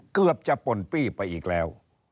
เกือบจะป่นปี้ไปอีกแล้ว